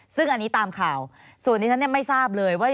ซึ่งอันนี้ตามข่าวส่วนนี้ฉันไม่ทราบเลยว่า